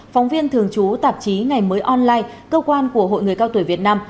phóng viên thường trú tạp chí ngày mới online cơ quan của hội người cao tuổi việt nam